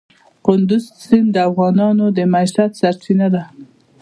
کندز سیند د افغانانو د معیشت سرچینه ده.